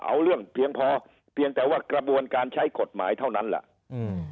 เอาเรื่องเพียงพอเพียงแต่ว่ากระบวนการใช้กฎหมายเท่านั้นแหละอืม